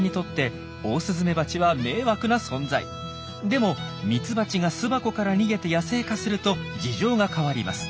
でもミツバチが巣箱から逃げて野生化すると事情が変わります。